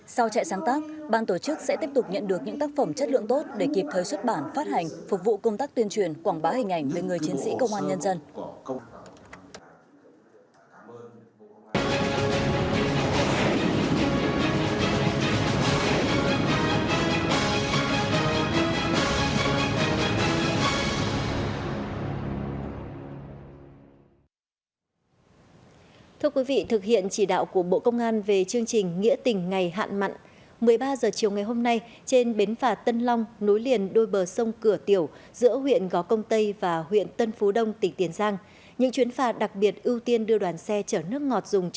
sau trại sáng tác ban tổ chức sẽ tiếp tục nhận được những tác phẩm chất lượng tốt để kịp thời xuất bản phát hành phục vụ công tác tuyên truyền quảng bá hình ảnh với người chiến sĩ công an nhân dân